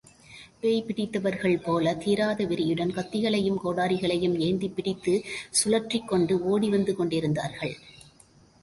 பேய் பிடித்தவர்கள் போலத் தீராத வெறியுடன் கத்திகளையும் கோடாரிகளையும் ஏந்திப் பிடித்துச் சுழற்றிக் கொண்டு ஓடிவந்து கொண்டிருந்தார்கள்.